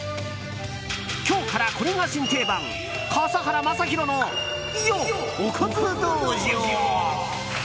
今日からこれが新定番笠原将弘のおかず道場。